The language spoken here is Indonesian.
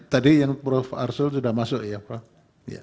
tadi yang prof arsul sudah masuk ya pak